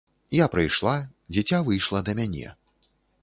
Я прыйшла, дзіця выйшла да мяне.